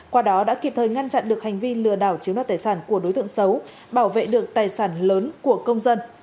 qua đó đã kịp thời ngăn chặn được hành vi lừa đảo chiếm đoạt tài sản của đối tượng xấu bảo vệ được tài sản lớn của công dân